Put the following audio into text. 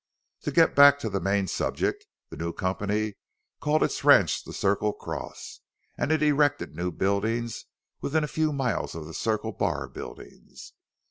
"To get back to the main subject. The new company called its ranch the Circle Cross and it erected new buildings within a few miles of the Circle Bar buildings.